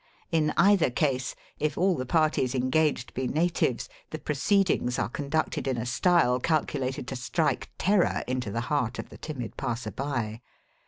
In either case, if all the parties engaged be natives, the proceedings are con ducted in a style calculated to strike terror into the heart of the timid passer by.